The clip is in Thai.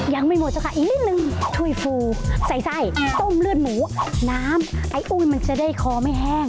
ยังไม่หมดสักค่ะอีกนิดนึงช่วยฟูใส่ไส้ต้มเลือดหมูน้ำไอ้อุ้ยมันจะได้คอไม่แห้ง